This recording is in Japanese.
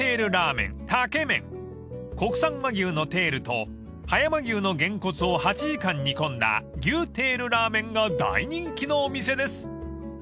［国産和牛のテールと葉山牛のげんこつを８時間煮込んだ牛テールラーメンが大人気のお店です］